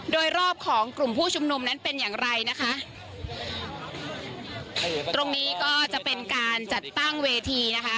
โดยรอบของกลุ่มผู้ชุมนุมนั้นเป็นอย่างไรนะคะตรงนี้ก็จะเป็นการจัดตั้งเวทีนะคะ